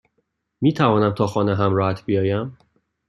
میتوانم تا خانه همراهت بیایم؟